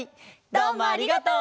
どうもありがとう！